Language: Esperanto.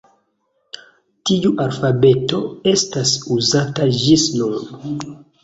Tiu alfabeto estas uzata ĝis nun.